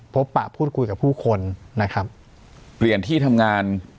ปะพูดคุยกับผู้คนนะครับเปลี่ยนที่ทำงาน